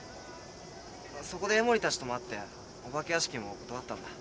そこで江森たちとも会ってオバケ屋敷も断ったんだ。